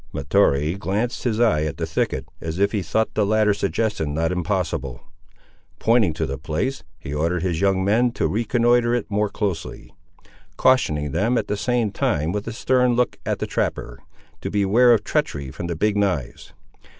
Mahtoree glanced his eye at the thicket, as if he thought the latter suggestion not impossible. Pointing to the place, he ordered his young men to reconnoitre it more closely, cautioning them, at the same time, with a stern look at the trapper, to beware of treachery from the Big knives.